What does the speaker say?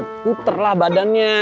puter lah badannya